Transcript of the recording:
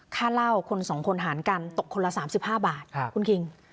ค่าเหล้าคน๒คนหารกันตกคนละ๓๕บาทคุณคิง